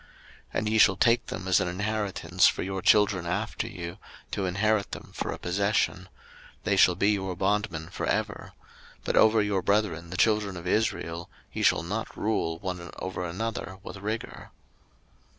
03:025:046 And ye shall take them as an inheritance for your children after you, to inherit them for a possession; they shall be your bondmen for ever: but over your brethren the children of Israel, ye shall not rule one over another with rigour.